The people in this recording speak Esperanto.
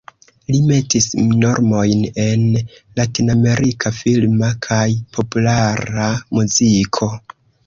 Li metis normojn en latinamerika filma kaj populara muziko.